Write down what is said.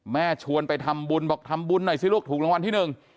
ชวนไปทำบุญบอกทำบุญหน่อยสิลูกถูกรางวัลที่หนึ่ง